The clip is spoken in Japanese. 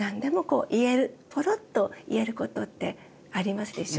ぽろっと言えることってありますでしょ。